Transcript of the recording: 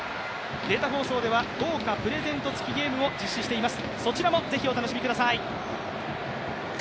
データ放送では豪華プレゼント付きゲームも実施しています。